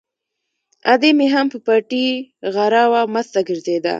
ادې مې هم په پټي غره وه، مسته ګرځېده.